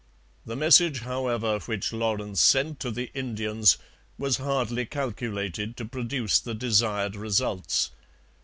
The message, however, which Lawrence sent to the Indians was hardly calculated to produce the desired results.